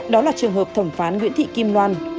đó là trường hợp thẩm phán nguyễn thị kim loan